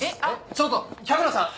ちょっと百野さん！